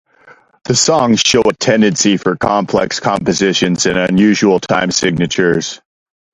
The songs show a tendency for complex compositions and unusual time signatures.